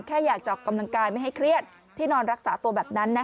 แค่อยากจะออกกำลังกายไม่ให้เครียดที่นอนรักษาตัวแบบนั้น